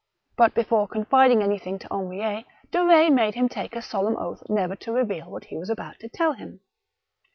But before confiding anything to Henriet, De Retz made him take a. solemn oath never to reveal what he was about to tell him.